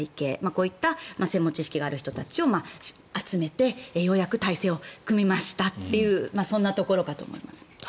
こういった専門知識がある人たちを集めてようやく体制を組めましたというそんなところかと思います。